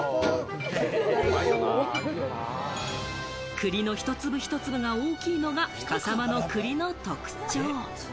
栗の１粒１粒が大きいのが笠間の栗の特徴。